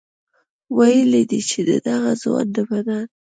ویلي دي چې د دغه ځوان د بدن